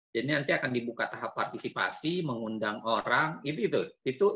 jadi nanti akan dibuka tahap partisipasi mengundang orang itu itu itu jebakannya jebakan pemikirannya